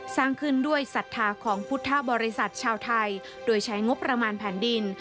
สร้างขึ้นด้วยศรัทธาของพุทธบริษัทชาวไทยโดยใช้งบประมาณแผ่นดิน